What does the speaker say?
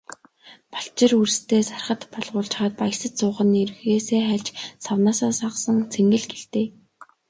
Балчир үрстээ сархад балгуулчхаад баясаж суух нь эргээсээ хальж, савнаасаа сагасан цэнгэл гэлтэй.